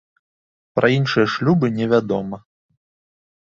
Пра іншыя шлюбы не вядома.